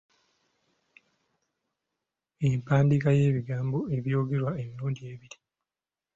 Empandiika y'ebigambo ebyogerwa emirundi ebiri.